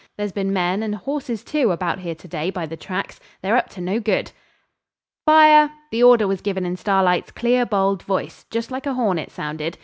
'There's been men, and horses too, about here to day, by the tracks. They're up to no good!' 'Fire!' The order was given in Starlight's clear, bold voice. Just like a horn it sounded.